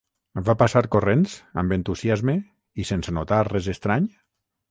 Va passar corrents, amb entusiasme, i sense notar res estrany?